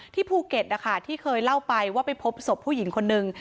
ภูเก็ตนะคะที่เคยเล่าไปว่าไปพบศพผู้หญิงคนนึง